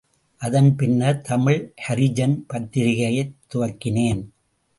அதன் பின்னர் தமிழ் ஹரிஜன் பத்திரிகையைத் துவக்கினேன்.